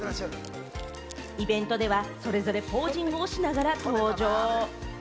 イベントでは、それぞれポージングをしながら登場。